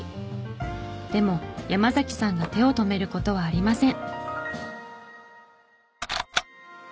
でも山さんが手を止める事はありません。